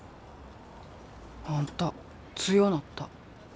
あんた強なった。